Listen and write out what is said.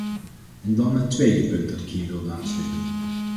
En dan het tweede punt dat ik hier wilde aanstippen.